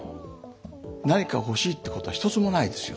何か欲しいってことは１つもないですよね。